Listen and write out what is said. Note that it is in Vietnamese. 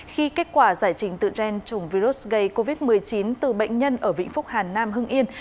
khi kết quả giải trình tự gen chủng virus gây covid một mươi chín từ bệnh nhân ở vĩnh phúc hàn nam hưng yên